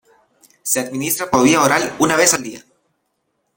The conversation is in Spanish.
Se administra por vía oral una vez al día.